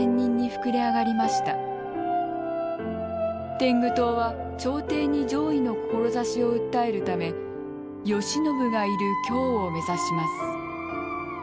天狗党は朝廷に攘夷の志を訴えるため慶喜がいる京を目指します。